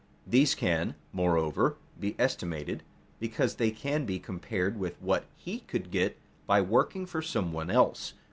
These can, moreover, be estimated, because they can be compared with what he could get by working for some one else.